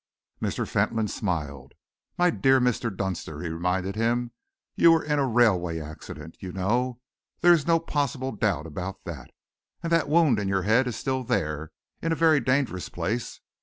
Mr. Fentolin smiled. "My dear Mr. Dunster," he reminded him, "you were in a railway accident, you know; there is no possible doubt about that. And the wound in your head is still there, in a very dangerous place.